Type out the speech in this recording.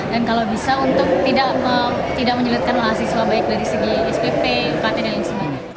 dan kalau bisa untuk tidak menjelitkan mahasiswa baik dari segi spp pt dan lain sebagainya